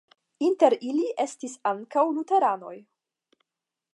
Inter ili estis ankaŭ luteranoj.